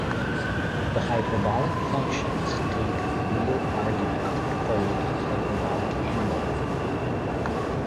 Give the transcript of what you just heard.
The hyperbolic functions take a real argument called a hyperbolic angle.